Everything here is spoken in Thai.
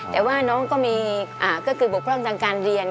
แต่ว่าน้องก็มีก็คือบกพร่องทางการเรียน